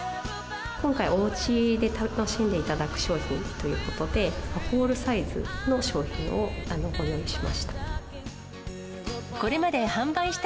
今回、おうちで楽しんでいただく商品ということで、ホールサイズの商品をご用意しました。